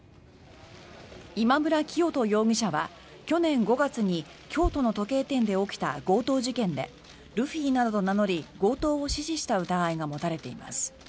今村磨人容疑者は去年５月に京都の時計店で起きた強盗事件でルフィなどと名乗り強盗を指示した疑いが持たれています。